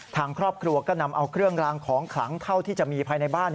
ทางครอบครัวก็นำเอาเครื่องรางของขลังเท่าที่จะมีภายในบ้าน